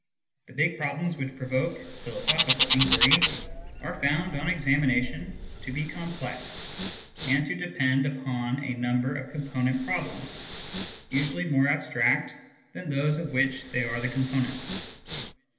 The big problems which provoke philosophical inquiry are found, on examination, to be complex, and to depend upon a number of com ponent problems, usually more abstract than those of which they are the components.